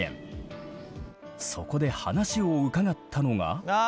そこで話を伺ったのが。